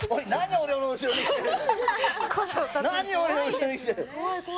俺の後ろに来てるの。